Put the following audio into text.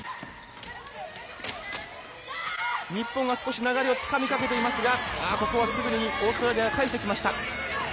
日本は少し流れをつかみかけていますがここはすぐにオーストラリアが返してきました。